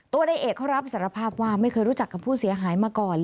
ในเอกเขารับสารภาพว่าไม่เคยรู้จักกับผู้เสียหายมาก่อน